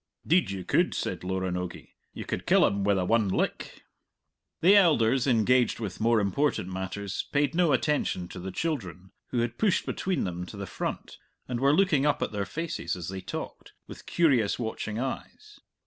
"Deed you could," said Loranogie; "you could kill him wi' the one lick." The elders, engaged with more important matters, paid no attention to the children, who had pushed between them to the front and were looking up at their faces, as they talked, with curious watching eyes.